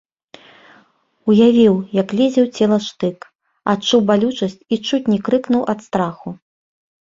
Уявіў, як лезе ў цела штык, адчуў балючасць і чуць не крыкнуў ад страху.